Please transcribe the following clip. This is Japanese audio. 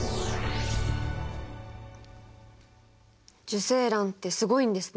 受精卵ってすごいんですね。